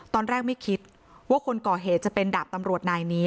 ตอนแรกไม่คิดว่าคนก่อเหตุจะเป็นดาบตำรวจนายนี้